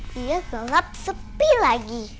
dia gelap sepi lagi